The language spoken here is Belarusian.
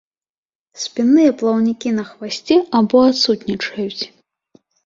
Спінныя плаўнікі на хвасце або адсутнічаюць.